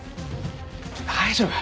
大丈夫。